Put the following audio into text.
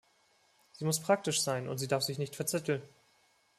Sie muss praktisch sein, und sie darf sich nicht verzetteln.